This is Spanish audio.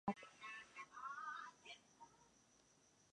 Nydia inició su carrera artística a temprana edad.